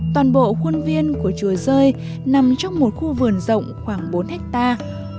toàn bộ khuôn viên của chùa rơi nằm trong một khu vườn rộng khoảng bốn hectare